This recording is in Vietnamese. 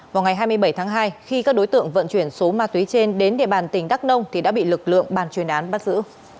vào ngày hai mươi bảy tháng hai khi các đối tượng vận chuyển số ma túy trên đến địa bàn tỉnh đắk nông thì đã bị lực lượng bàn chuyên án bắt giữ